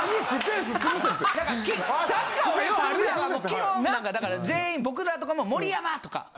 基本だから全員僕らとかも「盛山！」とか。